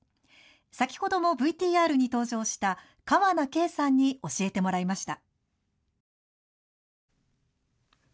先ほどもＶＴＲに登場した川名敬さんに教えてもらいました。